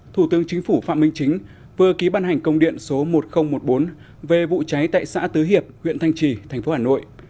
thủ tướng chính phủ phạm minh chính vừa ký ban hành công điện số một nghìn một mươi bốn về vụ cháy tại xã tứ hiệp huyện thanh trì thành phố hà nội